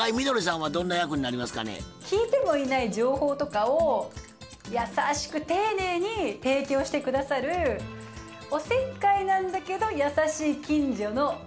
聞いてもいない情報とかを優しく丁寧に提供して下さるおせっかいなんだけど優しい近所のおばちゃん。